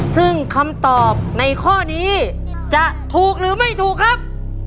ซึ่งคำตอบในข้อนี้จะถูกหรือไม่ถูกครับ